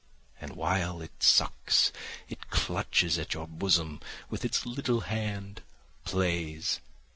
And while it sucks it clutches at your bosom with its little hand, plays.